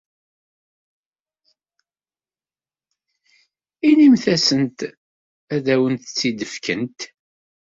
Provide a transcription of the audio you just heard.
Inimt-asent ad awent-tt-id-fkent.